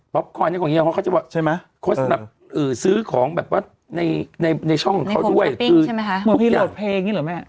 บปคอยน์อย่างกว่างเงี้ยเขาจะบอกโค้สซื้อของแบบว่าในช่องเขาด้วยคือทุกอย่าง